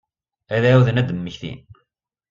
Ad ɛawden ad d-mmektin.